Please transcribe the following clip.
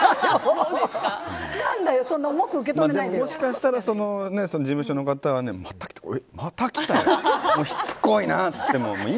もしかしたら事務所の方はうわ、また来たよしつこいなって。